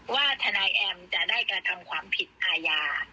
ว่าทนายแอมจะได้กระทำความผิดอาญา